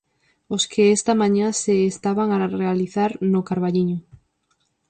Os que esta mañá se estaban a realizar no Carballiño.